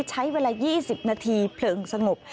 ใช้เวลา๒๐นาทีเพลิงสงบ